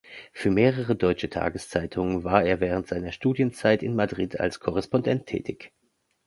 Für mehrere deutsche Tageszeitungen war er während seiner Studienzeit in Madrid als Korrespondent tätig.